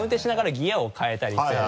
ギアを変えたりする。